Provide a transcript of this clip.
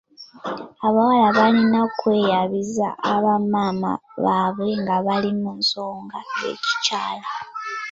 Abawala balina okweyabiza bamaama baabwe nga bali mu nsonga z'ekikyala.